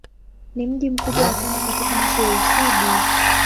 Ni mji mkubwa wa tano katika nchi wa Uswidi.